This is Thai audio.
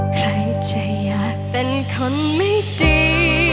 ใครจะอยากเป็นคนไม่ดี